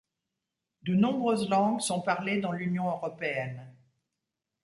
De nombreuses langues sont parlées dans l’Union européenne.